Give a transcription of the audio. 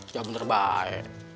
ya bener baik